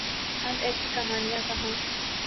اب ایسی کہانیاں کہاں۔